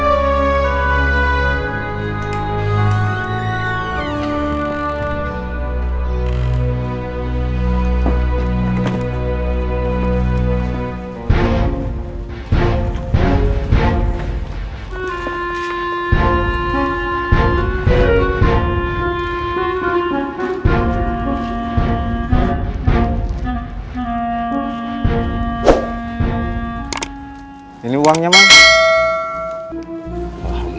enggak belum pakai pakaian